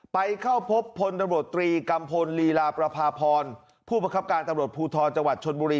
ไปเข้าพบพลตำรวจตรีกัมพลลีลาประพาพรผู้ประคับการตำรวจภูทรจังหวัดชนบุรี